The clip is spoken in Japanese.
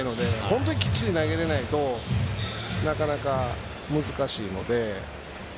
本当にきっちり投げられないとなかなか難しいので。